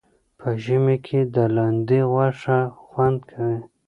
په ژمي کې د لاندي غوښه خوند کوي